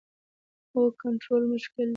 هو، کنټرول مشکل دی